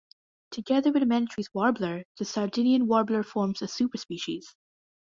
Together with Menetries' warbler the Sardinian warbler forms a superspecies.